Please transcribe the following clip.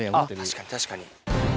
確かに確かに。